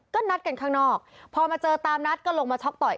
ก็นัดกันข้างนอกพอมาเจอตามนัดก็ลงมาชกต่อย